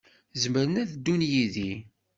Zemren ad ddun yid-i.